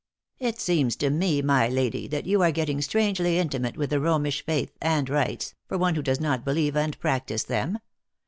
"It seems to me, my lady, that you are getting strangely intimate with the Romish faith and rites, for one who does not believe and practice them.